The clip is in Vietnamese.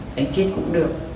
đánh chết cũng được